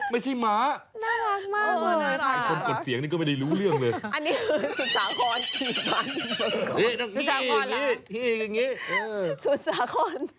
น่ารักมาก